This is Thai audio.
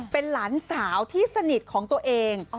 เป็นหลานสาวที่สนิทของตัวเอง